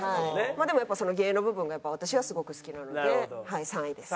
でもやっぱ芸の部分が私はすごく好きなので３位です。